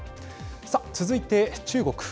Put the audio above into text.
さあ、続いて中国。